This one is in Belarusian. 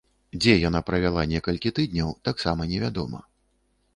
Дзе яна правяла некалькі тыдняў, таксама невядома.